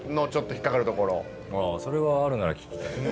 それはあるなら聞きたい。